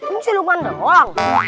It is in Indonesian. ini si lukman doang